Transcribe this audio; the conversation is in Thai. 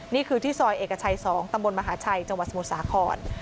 นี่คือที่ซอยเอกชัย๒ตำบลมหาชัยจังหวัดสมุทรสาคร